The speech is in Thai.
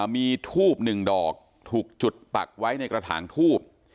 มีทูบหนึ่งดอกถูกจุดปักไว้ในกระถางทูบ